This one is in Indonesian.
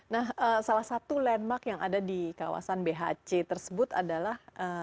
nah salah satu landmark yang ada di kawasan bhc tersebut adalah